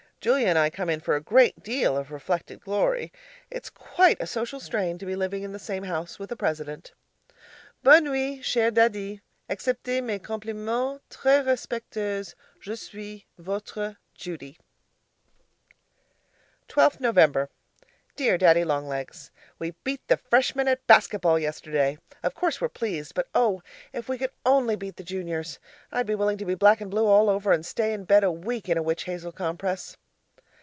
Julia and I come in for a great deal of reflected glory. It's quite a social strain to be living in the same house with a president. Bonne nuit, cher Daddy. Acceptez mez compliments, Tres respectueux, je suis, Votre Judy 12th November Dear Daddy Long Legs, We beat the Freshmen at basket ball yesterday. Of course we're pleased but oh, if we could only beat the juniors! I'd be willing to be black and blue all over and stay in bed a week in a witch hazel compress.